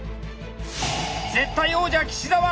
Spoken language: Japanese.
絶対王者岸澤。